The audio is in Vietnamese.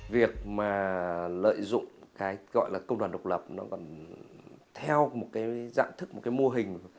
việc mà lợi dụng cái gọi là công đoàn độc lập nó còn theo một cái dạng thức một cái mô hình